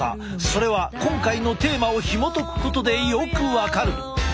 それは今回のテーマをひもとくことでよく分かる。